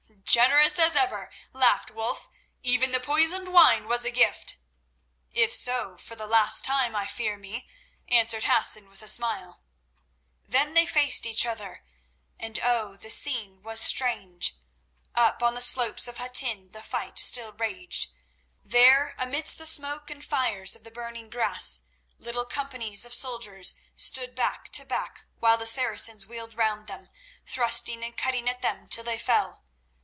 "Generous as ever," laughed Wulf. "Even the poisoned wine was a gift!" "If so, for the last time, I fear me," answered Hassan with a smile. Then they faced each other, and oh! the scene was strange. Up on the slopes of Hattin the fight still raged. There amidst the smoke and fires of the burning grass little companies of soldiers stood back to back while the Saracens wheeled round them, thrusting and cutting at them till they fell.